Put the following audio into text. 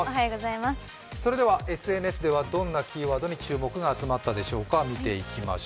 それではＳＮＳではどんなキーワードに注目が集まったでしょうか。